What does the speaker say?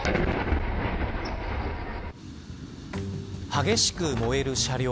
激しく燃える車両。